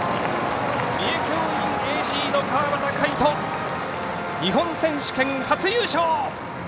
三重教員ＡＣの川端魁人日本選手権初優勝！